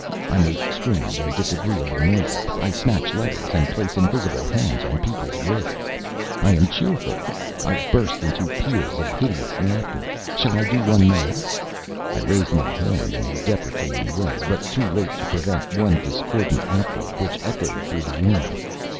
I make strange and disagreeable noises. I snatch letters and place invisible hands on people's wrists. I am cheerful. I burst into peals of hideous laughter. Shall I do one now?" I raised my hand in a deprecating way, but too late to prevent one discordant outbreak which echoed through the room.